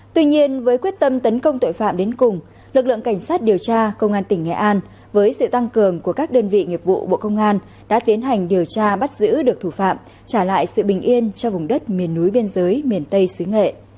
tuy nhiên với quyết tâm tấn công tội phạm đến cùng lực lượng cảnh sát điều tra công an tỉnh nghệ an với sự tăng cường của các đơn vị nghiệp vụ bộ công an đã tiến hành điều tra bắt giữ được thủ phạm trả lại sự bình yên cho vùng đất miền núi biên giới miền tây xứ nghệ